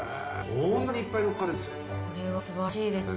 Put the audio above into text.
こんなにいっぱいのっかってるんですよ。